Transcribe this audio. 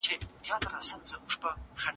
دوستان به له دې پرېکړې څخه ناراضه نه سي.